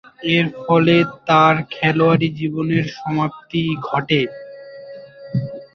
এরফলে তার খেলোয়াড়ী জীবনের সমাপ্তি ঘটে।